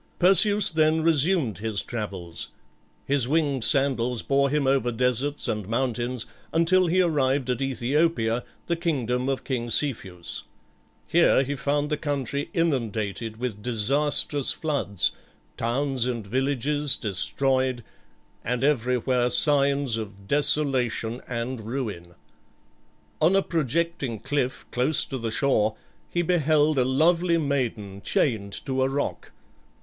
Perseus then resumed his travels. His winged sandals bore him over deserts and mountains, until he arrived at Æthiopia, the kingdom of King Cepheus. Here he found the country inundated with disastrous floods, towns and villages destroyed, and everywhere signs of desolation and ruin. On a projecting cliff close to the shore he beheld a lovely maiden chained to a rock.